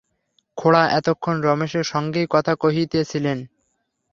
খুড়া এতক্ষণ রমেশের সঙ্গেই কথা কহিতেছিলেন।